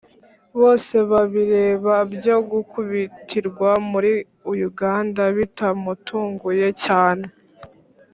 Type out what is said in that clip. bosebabireba byo gukubitirwa muri uganda bitamutunguye cyane